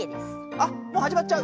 あっもうはじまっちゃう。